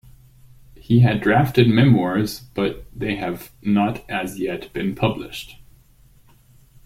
He had drafted memoirs, but they have not as yet been published.